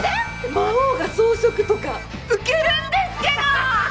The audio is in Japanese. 魔王が草食とかウケるんですけど！